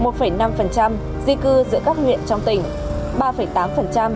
một năm di cư giữa các huyện trong tỉnh